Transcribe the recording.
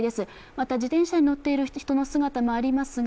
また自転車に乗っている人の姿もありますが